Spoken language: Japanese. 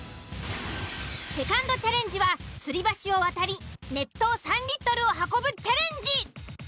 セカンドチャレンジは吊り橋を渡り熱湯３リットルを運ぶチャレンジ。